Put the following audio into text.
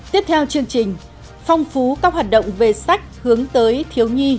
tiếp theo chương trình phong phú các hoạt động về sách hướng tới thiếu nhi